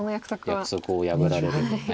約束を破られる。